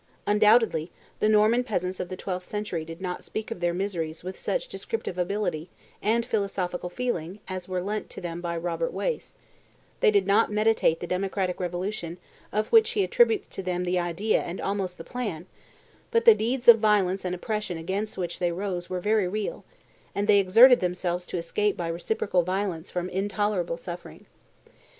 Undoubtedly the Norman peasants of the twelfth century did not speak of their miseries with such descriptive ability and philosophical feeling as were lent to them by Robert Wace; they did not meditate the democratic revolution of which he attributes to them the idea and almost the plan; but the deeds of violence and oppression against which they rose were very real, and they exerted themselves to escape by reciprocal violence from intolerable suffering.